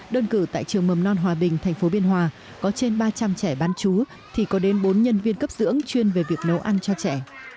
đơn cử tại trường mầm non hòa bình thành phố biên hòa có trên ba trăm linh trẻ bán chú thì có đến bốn nhân viên cấp dưỡng chuyên về việc nấu ăn cho trẻ